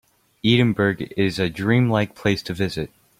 Edinburgh is a dream-like place to visit.